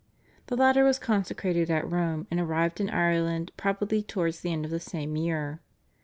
The latter was consecrated at Rome, and arrived in Ireland probably towards the end of the same year.